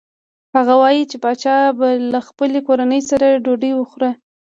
هغه وايي چې پاچا به له خپلې کورنۍ سره ډوډۍ خوړه.